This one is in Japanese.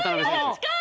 近い！